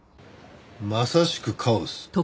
まさしくカオス。